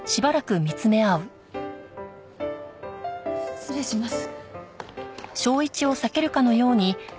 失礼します。